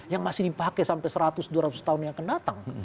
yang masih dipakai sampai seratus dua ratus tahun yang akan datang